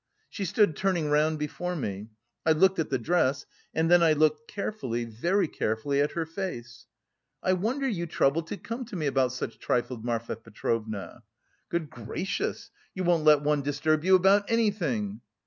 She stood turning round before me. I looked at the dress, and then I looked carefully, very carefully, at her face. 'I wonder you trouble to come to me about such trifles, Marfa Petrovna.' 'Good gracious, you won't let one disturb you about anything!